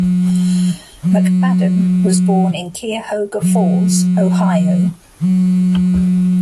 McFadden was born in Cuyahoga Falls, Ohio.